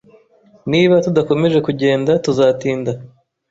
Niba tudakomeje kugenda tuzatinda.